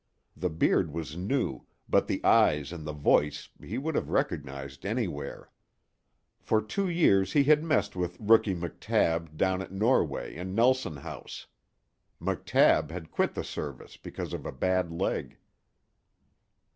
The beard was new, but the eyes and the voice he would have recognized anywhere. For two years he had messed with Rookie McTabb down at Norway and Nelson House. McTabb had quit the Service because of a bad leg.